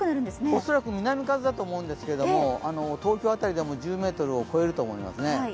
おそらく南風だと思うんですけれども東京辺りでも１０メートルを超えると思いますね。